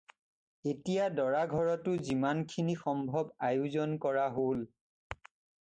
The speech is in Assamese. এতিয়া দৰাঘৰতো যিমানখিনি সম্ভৱ আয়োজন কৰা হ'ল।